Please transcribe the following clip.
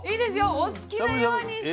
お好きなようにして。